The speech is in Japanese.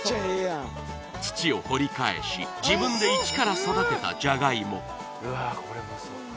土を掘り返し、自分で一から育てたじゃがいも。